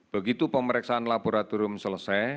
begitu pemeriksaan laboratorium selesai